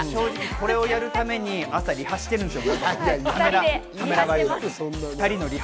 これをやるために朝、リハしてるんですよ。